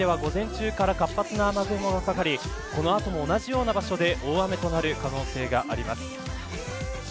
東海では午前中から活発な雨雲がかかりこの後も、同じような場所で大雨となる可能性があります。